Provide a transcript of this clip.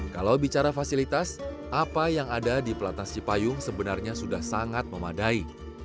kalau bicara fasilitas apa yang ada di pelatnas cipayung sebenarnya sudah sangat memadai